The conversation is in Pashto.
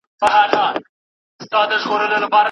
یو زلمی به د شپې ونیسي له لاسه